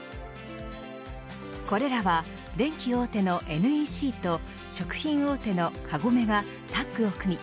これらは電機大手のＮＥＣと食品大手のカゴメがタッグを組み